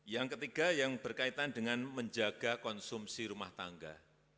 yang ketiga yang berkaitan dengan menjaga konsumsi rumah tangga